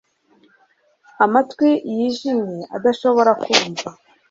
Amatwi yijimye adashobora kumva